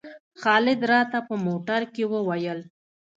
خالد راته په موټر کې وویل.